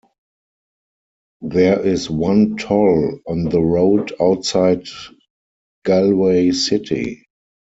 There is one toll on the road outside Galway city.